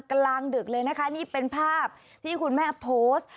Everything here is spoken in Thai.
กลางดึกเลยนะคะนี่เป็นภาพที่คุณแม่โพสต์